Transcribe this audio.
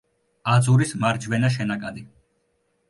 აძურის მარჯვენა შენაკადი.